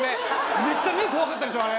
めっちゃ目怖かったでしょあれ。